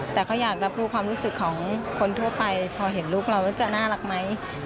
แต่เขาอยากรับรู้ความรู้สึกของคนทั่วไปพอเห็นลูกเราแล้วจะน่ารักไหม